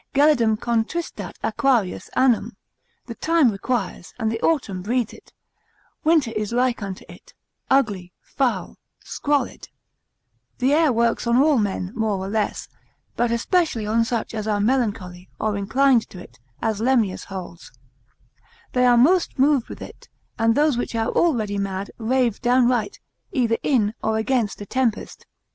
Gelidum contristat Aquarius annum: the time requires, and the autumn breeds it; winter is like unto it, ugly, foul, squalid, the air works on all men, more or less, but especially on such as are melancholy, or inclined to it, as Lemnius holds, They are most moved with it, and those which are already mad, rave downright, either in, or against a tempest.